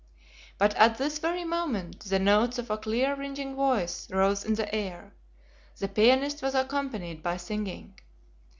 But at this very moment, the notes of a clear ringing voice rose on the air. The PIANIST was accompanied by singing.